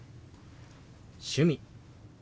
「趣味」。